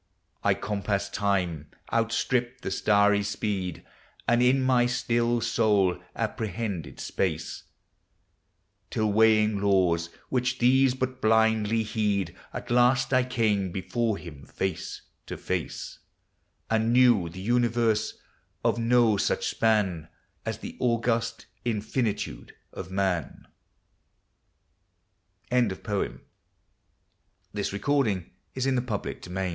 I compassed time, outstripped the starry speed, And in my still Soul apprehended space, Till weighing laws which these bu1 blindly heed, At last I came before Him face to face,— And knew the Universe of no such span As the august infinitude of nam. CHABLBS Q. n. B0BBBT8. III. THE SEASONS. A HYMN.